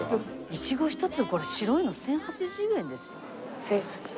イチゴ１粒これ白いの１０８０円ですよ。